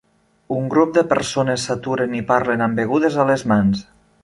Un grup de persones s'aturen i parlen amb begudes a les mans